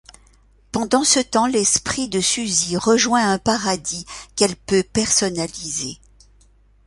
Pendant ce temps, l'esprit de Susie rejoint un paradis qu'elle peut personnaliser.